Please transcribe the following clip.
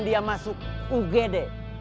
dia masuk ugd